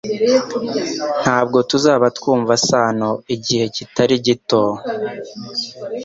Ntabwo tuzaba twumva Sano igihe kitari gito